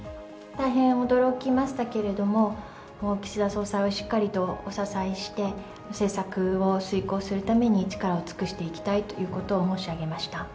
大変驚きましたけれども、岸田総裁をしっかりとお支えして、政策を遂行するために、力を尽くしていきたいということを申し上